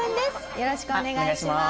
よろしくお願いします。